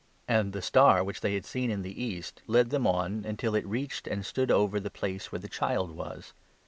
And the star which they had seen in the east led them on, until it reached, and stood over, the place where the child was.